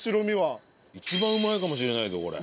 一番うまいかもしれないぞこれ。